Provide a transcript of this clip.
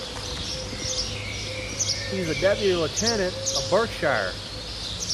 He is a Deputy Lieutenant of Berkshire.